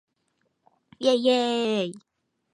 也说明他们与西突厥有关系。